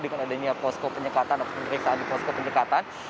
dengan adanya proskop penyekatan